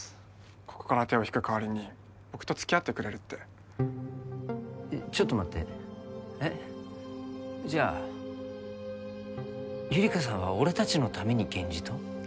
ここから手を引く代わりに僕と付き合ってくれるってえっちょっと待ってえっじゃあゆりかさんは俺達のためにゲンジと？